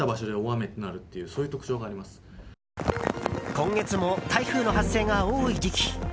今月も台風の発生が多い時期。